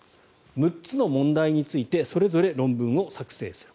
６つの問題についてそれぞれ論文を作成する。